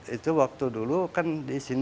itu waktu dulu kan disitu